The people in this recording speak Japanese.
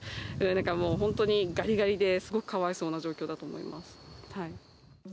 なんかもう本当にがりがりで、すごくかわいそうな状況だと思います。